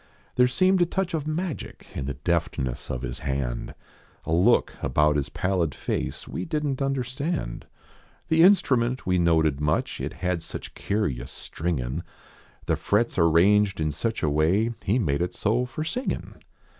There seemed a touch of magic in The deftness of his hand ; A look about his pallid face We didn t understand. The instrument we noted much, It had such curioiis stringing The frets arranged in such a way ; He d made it so for singin .